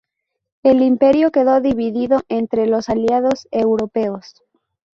El imperio quedó dividido entre los Aliados europeos.